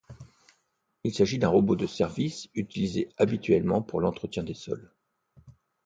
Il s'agit d'un robot de service utilisé habituellement pour l'entretien des sols.